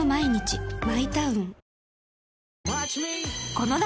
この夏